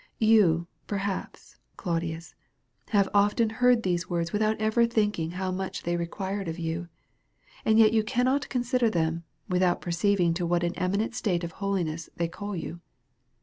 You, perhaps, Claudius, have often heard these words without ever thinking how much they required of you. And yet you cannot consider them, without perceiving to what an eminent state of holiness they call you.